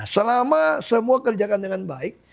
selama semua kerjakan dengan baik